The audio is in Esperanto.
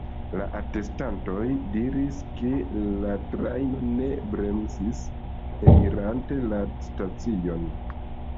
Atestantoj diris, ke la trajno ne bremsis enirante la stacion.